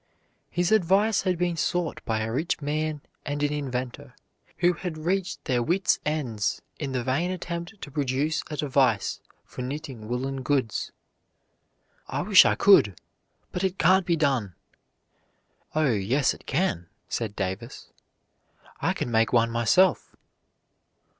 His advice had been sought by a rich man and an inventor who had reached their wits' ends in the vain attempt to produce a device for knitting woolen goods. "I wish I could, but it can't be done." "Oh, yes it can," said Davis; "I can make one myself."